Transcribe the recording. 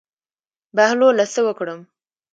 بهلوله څه وکړم.